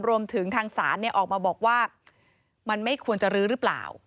รวมถึงทางศาลออกมาบอกว่ามันไม่ควรจะรื้อหรือเปล่า